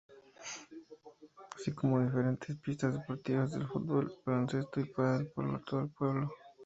Así como diferentes pistas deportivas de Fútbol, Baloncesto y Pádel por todo el pueblo.